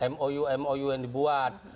mou mou yang dibuat